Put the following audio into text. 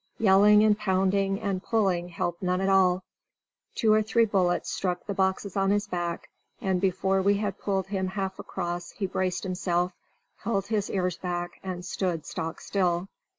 Yelling and pounding and pulling helped none at all. Two or three bullets struck the boxes on his back, and before we had pulled him half across he braced himself, held his ears back, and stood stock still.